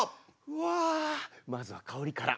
わあまずは香りから。